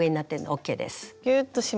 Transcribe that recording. ＯＫです。